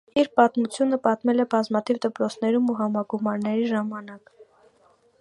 Իր պատմությունը պատմել է բազմաթիվ դպրոցներում ու համագումարների ժամանակ։